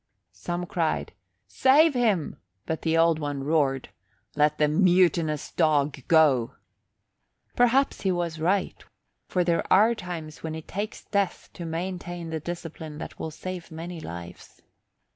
Some cried "Save him!" but the Old One roared, "Let the mutinous dog go!" Perhaps he was right, for there are times when it takes death to maintain the discipline that will save many lives.